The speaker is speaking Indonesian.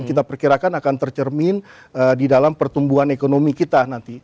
kita perkirakan akan tercermin di dalam pertumbuhan ekonomi kita nanti